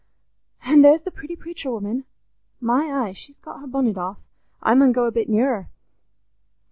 An' there's the pretty preacher woman! My eye, she's got her bonnet off. I mun go a bit nearer."